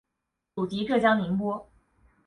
祖籍浙江宁波。